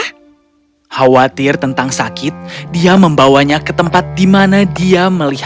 khawatir tentang sakit dia membawanya ke tempat di mana dia melihat